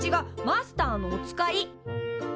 マスターのお使い。